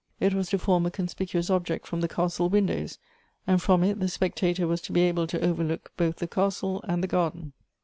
It was to form a conspicuous object from the castle windows, and from it the spectator was to be able to overlook both the castle and the garden.